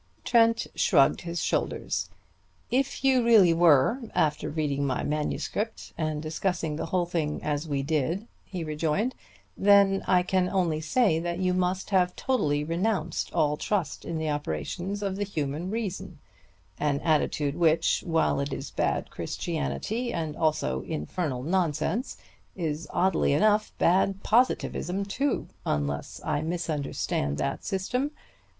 Trent shrugged his shoulders. "If you really were, after reading my manuscript and discussing the whole thing as we did," he rejoined, "then I can only say that you must have totally renounced all trust in the operations of the human reason; an attitude which, while it is bad Christianity and also infernal nonsense, is oddly enough bad Positivism too, unless I misunderstand that system.